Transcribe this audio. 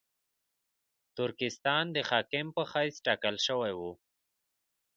ترکستان د حاکم په حیث ټاکل شوی وو.